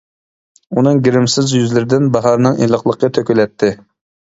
ئۇنىڭ گىرىمسىز يۈزلىرىدىن باھارنىڭ ئىللىقلىقى تۆكۈلەتتى.